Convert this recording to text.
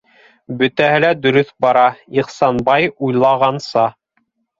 Бөтәһе лә дөрөҫ бара, Ихсанбай уйлағанса.